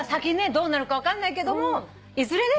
どうなるか分かんないけどもいずれね